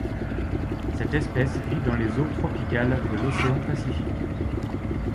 Cette espèce vit dans les eaux tropicales de l'océan Pacifique.